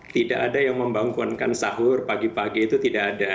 tidak ada yang membangkuankan sahur pagi pagi itu tidak ada